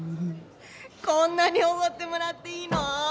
こんなにおごってもらっていいの？